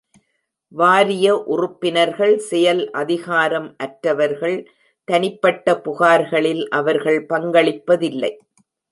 வாரிய உறுப்பினர்கள் செயல் அதிகாரம் அற்றவர்கள்; தனிப்பட்ட புகார்களில் அவர்கள் பங்களிப்பதில்லை.